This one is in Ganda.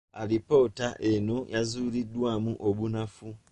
Alipoota eno yazuulibwamu obunafu.